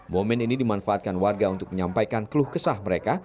momen ini dimanfaatkan warga untuk menyampaikan keluh kesah mereka